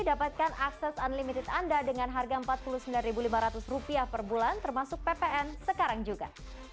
dapatkan akses unlimited anda dengan harga rp empat puluh sembilan lima ratus per bulan termasuk ppn sekarang juga